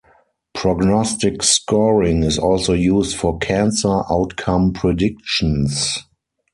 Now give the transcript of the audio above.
Prognostic scoring is also used for cancer outcome predictions.